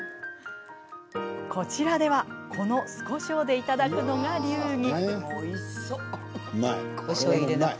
こちらでは、この酢こしょうでいただくのが流儀。